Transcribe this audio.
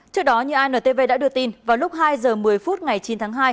trước đó như antv đã đưa tin vào lúc hai h một mươi phút ngày chín tháng hai